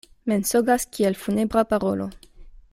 Mensogas kiel funebra parolo.